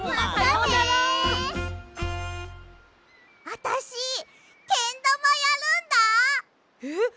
あたしけんだまやるんだ！えっ？